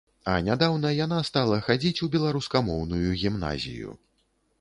А нядаўна яна стала хадзіць у беларускамоўную гімназію.